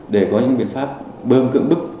để có những biện pháp bơm cưỡng bức